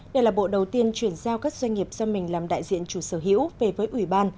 đây là bộ đầu tiên chuyển giao các doanh nghiệp do mình làm đại diện chủ sở hữu về với ủy ban